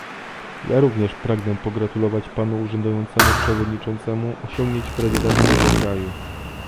Ja również pragnę pogratulować panu urzędującemu przewodniczącemu osiągnięć prezydencji jego kraju